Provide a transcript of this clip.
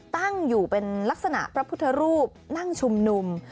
ตั้งอยู่เป็นลักษณะพระพุทธรูปนั่งชุมนุม